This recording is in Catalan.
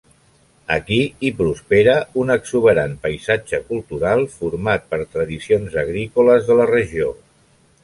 Aquí hi prospera un exuberant paisatge cultural format per tradicions agrícoles de la regió.